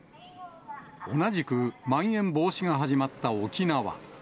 同じくまん延防止が始まった沖縄。